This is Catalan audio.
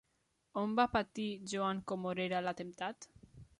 On va patir Joan Comorera l'atemptat?